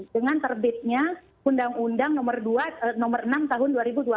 dengan terbitnya undang undang nomor enam tahun dua ribu dua puluh